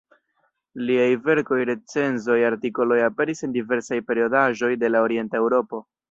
Liaj verkoj, recenzoj, artikoloj aperis en diversaj periodaĵoj de la Orienta Eŭropo.